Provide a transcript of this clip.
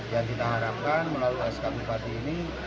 yang kita harapkan melalui sk bupati ini